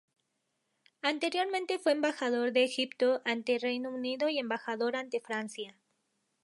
Anteriormente fue embajador de Egipto ante Reino Unido y embajador ante Francia.